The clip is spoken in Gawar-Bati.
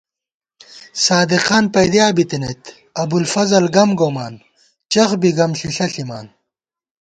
صادِقان پَئیدِیا بِتَنَئیت ابُوالفضل گم گومان چخ بی گم ݪِݪہ ݪِمان